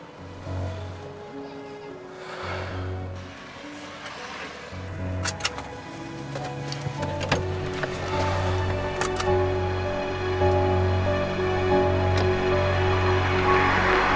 akan semakin berat untuk aku melepas kamu